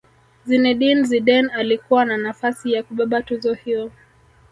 zinedine zidane alikuwa na nafasi ya kubeba tuzo hiyo